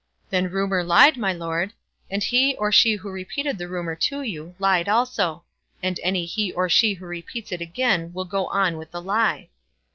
"Then rumour lied, my lord. And he or she who repeated the rumour to you, lied also. And any he or she who repeats it again will go on with the lie."